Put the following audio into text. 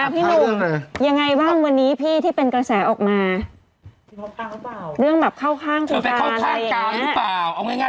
พี่หนุมยังไงบ้างวันนี้พี่ที่เป็นกำแสจะออกมา